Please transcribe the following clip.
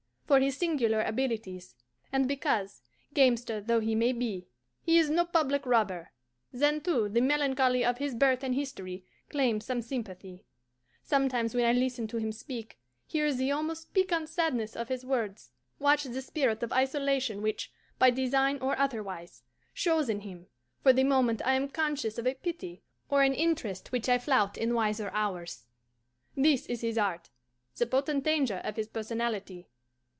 for his singular abilities, and because, gamester though he may be, he is no public robber. Then, too, the melancholy of his birth and history claims some sympathy. Sometimes when I listen to him speak, hear the almost piquant sadness of his words, watch the spirit of isolation which, by design or otherwise, shows in him, for the moment I am conscious of a pity or an interest which I flout in wiser hours. This is his art, the potent danger of his personality.